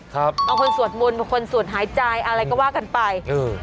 บางคนสวดมนต์บางคนสวดหายใจอะไรก็ว่ากันไปเออ